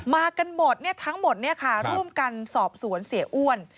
มากันหมดทั้งหมดร่วมกันสอบสวนเสียอ้วน